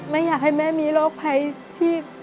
แม่อยากให้แม่มีโรคภัยที่